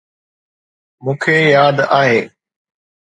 مون کي ياد آهي.